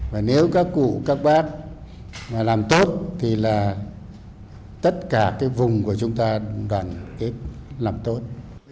và nếu các cụ các bác mà làm tốt thì là tất cả cái vùng của chúng ta đoàn kết làm tốt